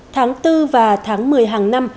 tháng bốn và tháng một mươi hàng năm